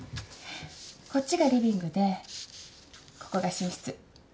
こっちがリビングでここが寝室。